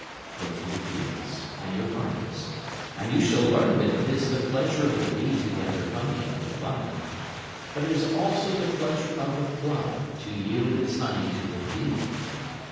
Go to your fields and your gardens, and you shall learn that it is the pleasure of the bee to gather honey of the flower, But it is also the pleasure of the flower to yield its honey to the bee.